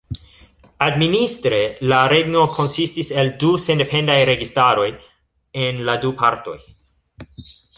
Administre la regno konsistis el du sendependaj registaroj en la du partoj.